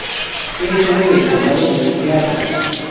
Es sede del condado de Eaton.